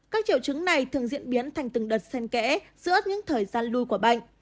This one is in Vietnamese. các triệu chứng này thường diễn biến thành từng đợt sen kẽ giữa những thời gian lưu của bệnh